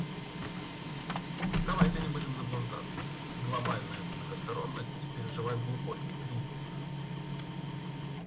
Давайте не будем заблуждаться: глобальная многосторонность переживает глубокий кризис.